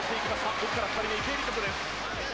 奥から２人目、池江璃花子です。